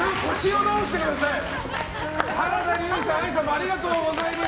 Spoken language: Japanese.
ありがとうございます。